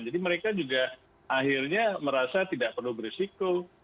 jadi mereka juga akhirnya merasa tidak perlu berisiko